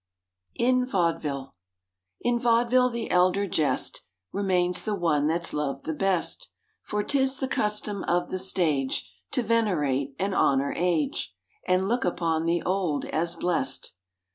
IN VAUDEVILLE In vaudeville the elder jest Remains the one that's loved the best; For 'tis the custom of the stage To venerate and honor age And look upon the old as blest.